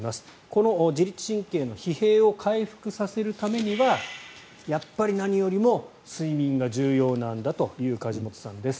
この自律神経の疲弊を回復させるためにはやっぱり何よりも睡眠が重要なんだという梶本さんです。